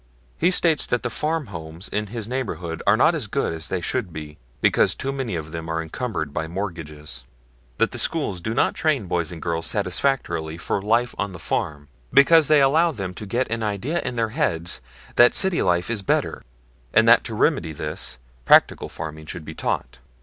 He states that the farm homes in his neighborhood are not as good as they should be because too many of them are encumbered by mortgages; that the schools do not train boys and girls satisfactorily for life on the farm, because they allow them to get an idea in their heads that city life is better, and that to remedy this practical farming should be taught.